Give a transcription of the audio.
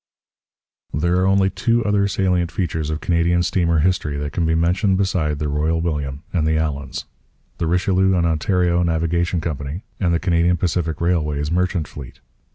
There are only two other salient features of Canadian steamer history that can be mentioned beside the Royal William and the Allans: the Richelieu and Ontario Navigation Company and the Canadian Pacific Railway's merchant fleet.